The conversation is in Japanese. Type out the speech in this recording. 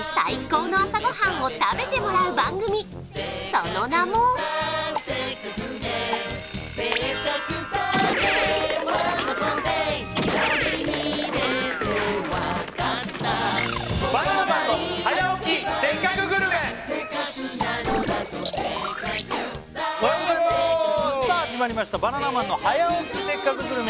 その名もおはようございますおはようございますさあ始まりました「バナナマンの早起きせっかくグルメ！！」